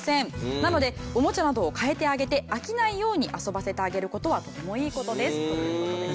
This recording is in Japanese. なのでおもちゃなどを変えてあげて飽きないように遊ばせてあげる事はとてもいい事ですという事です。